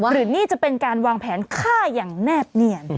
หรือนี่จะเป็นการวางแผนฆ่าอย่างแนบเนียน